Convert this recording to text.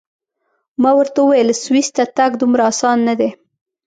ما ورته وویل: سویس ته تګ دومره اسان نه دی.